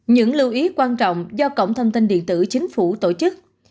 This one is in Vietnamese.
những lưu ý quan trọng do cổng thông tin điện tử chính phủ tổ chức